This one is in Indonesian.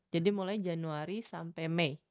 jadi mulai januari sampe mei